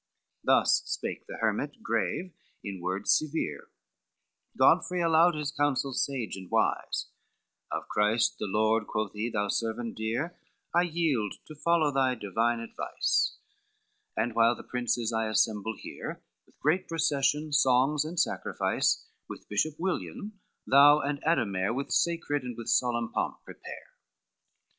III Thus spake the hermit grave in words severe: Godfrey allowed his counsel, sage, and wise, "Of Christ the Lord," quoth he, "thou servant dear, I yield to follow thy divine advice, And while the princes I assemble here, The great procession, songs and sacrifice, With Bishop William, thou and Ademare, With sacred and with solemn pomp prepare."